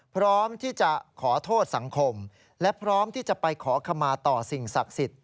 พร้อมที่จะขอโทษสังคมและพร้อมที่จะไปขอขมาต่อสิ่งศักดิ์สิทธิ